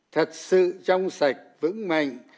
thật sự trong sạch vững mạnh